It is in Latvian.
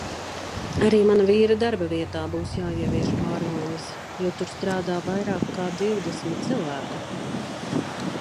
Arī mana vīra darbavietā būs jāievieš pārmaiņas, jo tur strādā vairāk kā divdesmit cilvēku.